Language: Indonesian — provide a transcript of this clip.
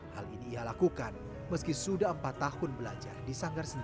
hal ini ia lakukan meski sudah empat tahun belajar di sanggar seni